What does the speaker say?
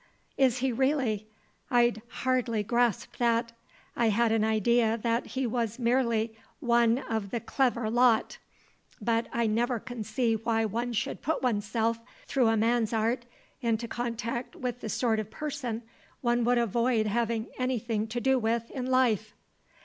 "Is he really? I'd hardly grasped that. I had an idea that he was merely one of the clever lot. But I never can see why one should put oneself, through a man's art, into contact with the sort of person one would avoid having anything to do with in life."